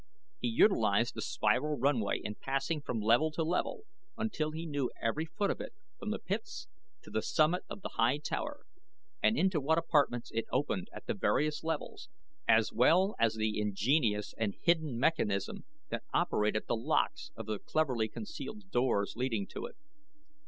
He utilized the spiral runway in passing from level to level until he knew every foot of it from the pits to the summit of the high tower, and into what apartments it opened at the various levels as well as the ingenious and hidden mechanism that operated the locks of the cleverly concealed doors leading to it.